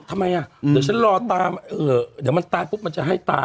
ทำไมอ่ะเดี๋ยวฉันรอตามเดี๋ยวมันตายปุ๊บมันจะให้ตา